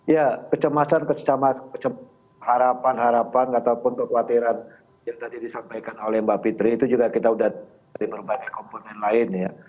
ya kecemasan harapan harapan ataupun kekhawatiran yang tadi disampaikan oleh mbak fitri itu juga kita sudah dari berbagai komponen lain ya